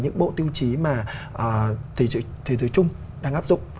và những bộ tiêu chí mà thế giới trung đang áp dụng